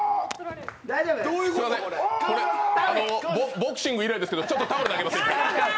ボクシング以来ですけど、ちょっとタオル投げます。